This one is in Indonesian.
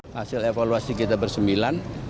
hasil evaluasi kita bersembilan